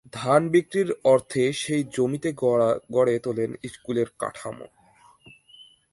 ধান বিক্রির অর্থে সেই জমিতে গড়ে তোলেন স্কুলের কাঠামো।